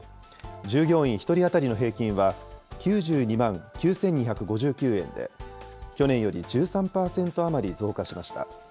従業員１人当たりの平均は９２万９２５９円で、去年より１３％余り増加しました。